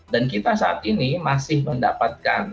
dan kita saat ini masih mendapatkan